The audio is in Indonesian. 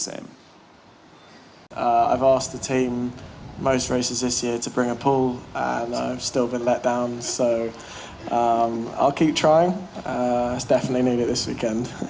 saya sudah teringat mencoba dobrze semuanya dan musimletter juga lebih elak